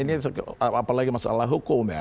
ini apalagi masalah hukum ya